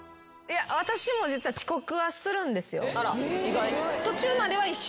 私も実は遅刻はするんですよ。